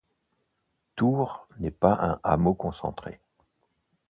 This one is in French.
Tour n'est pas un hameau concentré.